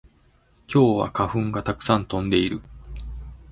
今日は花粉がたくさん飛んでいる